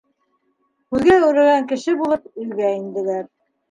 Һүҙгә әүрәгән кеше булып, өйгә инделәр.